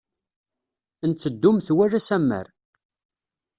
Nteddu metwal asammar.